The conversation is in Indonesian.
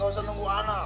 gak usah nunggu anak